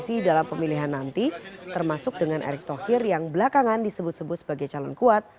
ketua umum pssi dalam pemilihan nanti termasuk dengan erick thokir yang belakangan disebut sebut sebagai calon kuat